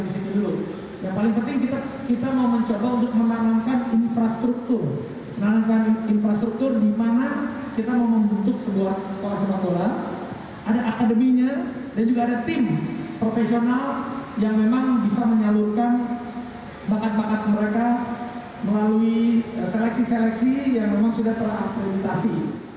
seleksi seleksi yang memang sudah telah akreditasi